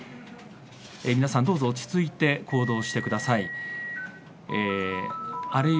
皆さん、どうぞ落ち着いて行動してください。